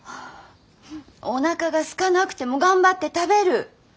おなかがすかなくても頑張って食べる。